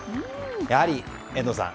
やはり遠藤さん